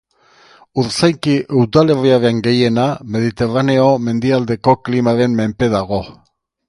Urzainki udalerriaren gehiena mediterraneo mendialdeko klimaren menpe dago.